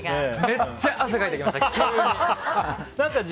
めっちゃ汗かいてきました急に。